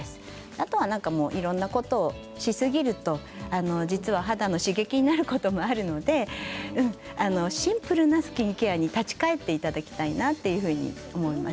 あとは、いろんなことをしすぎると肌の刺激になることもあるのでシンプルなスキンケアに立ち帰っていただきたいなと思います。